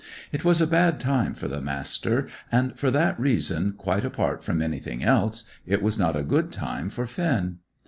It was a bad time for the Master, and for that reason, quite apart from anything else, it was not a good time for Finn.